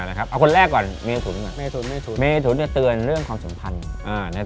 เอาคนแรกก่อนเมศถุนก่อนเมศถุนจะเตือนเรื่องความสนับสนุนในตรงระหว่าง